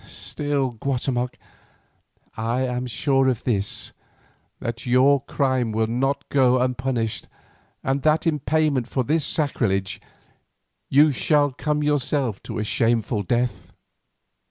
Still, Guatemoc, I am sure of this, that your crime will not go unpunished, and that in payment for this sacrilege, you shall yourself come to a shameful death."